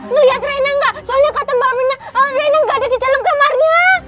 ngeliat rena gak soalnya kata mbak mir rena gak ada di dalam kamarnya